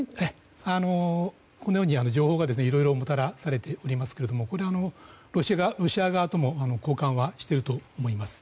このように情報がいろいろもたらされていますけどロシア側とも交換はしていると思います。